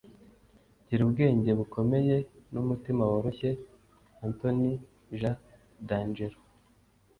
gira ubwenge bukomeye n'umutima woroshye. - anthony j. d'angelo